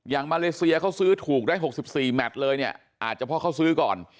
มาเลเซียเขาซื้อถูกได้๖๔แมทเลยเนี่ยอาจจะเพราะเขาซื้อก่อน